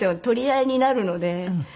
取り合いになるので。